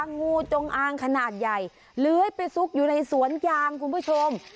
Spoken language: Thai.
งูจงอางขนาดใหญ่เลื้อยไปซุกอยู่ในสวนยางคุณผู้ชม